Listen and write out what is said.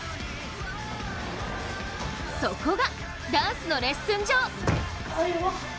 そこが、ダンスのレッスン場。